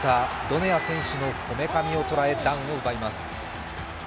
ドネア選手のこめかみを捉えダウンを奪います。